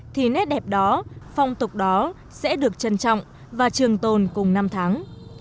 thì nét đẹp đó phong tục đó sẽ được trân trọng và trường tồn cùng năm tháng